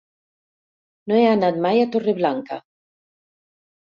No he anat mai a Torreblanca.